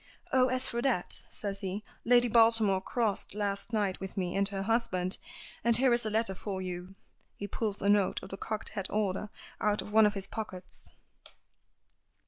"Oh, as for that," says he, "Lady Baltimore crossed last night with me and her husband. And here is a letter for you." He pulls a note of the cocked hat order out of one of his pockets.